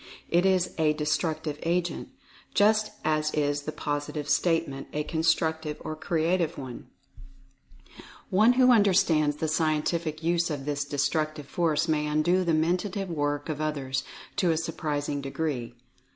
It is a destructive agent, just as is the POSI TIVE STATEMENT a constructive or creative one. 234 Mental Fascination One who understands the scientific use of this destruc tive force may undo the mentative work of others, to a surprising degree.